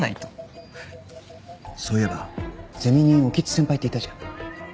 そういえばゼミに興津先輩っていたじゃん。